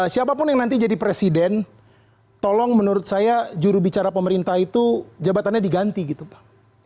siapapun yang nanti jadi presiden tolong menurut saya jurubicara pemerintah itu jabatannya diganti gitu pak